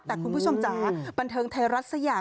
แต่คุณผู้ชมจ๋าบันเทิงไทยรัฐสักอย่าง